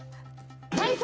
体操！